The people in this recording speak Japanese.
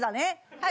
はい。